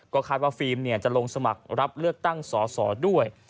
ก็คาดว่าฟิล์มจะลงสมัครรับเลือกตั้งสอสอด้วย